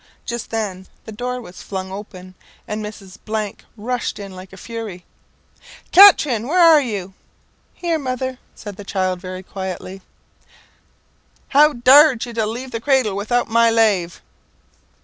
Just then the door was flung open, and Mrs. rushed in like a fury. "Katrine, where are you?" "Here, mother," said the child, very quietly. How dar'd you to leave the cradle widout my lave?"